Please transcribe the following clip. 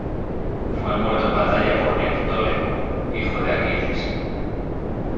Fue muerto en batalla por Neoptólemo, hijo de Aquiles.